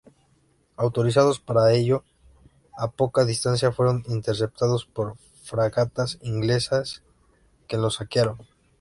Autorizados para ello, a poca distancia fueron interceptados por fragatas inglesas que los saquearon.